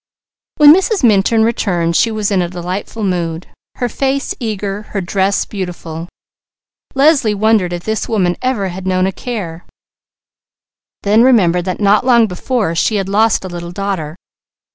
When Mrs. Minturn returned she was in a delightful mood, her face eager, her dress beautiful. Leslie wondered if this woman ever had known a care, then remembered that not long before she had lost a little daughter.